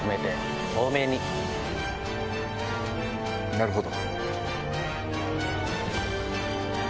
なるほど。